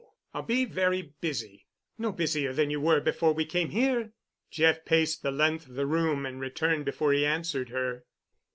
I'll be very busy." "No busier than you were before we came here." Jeff paced the length of the room and returned before he answered her.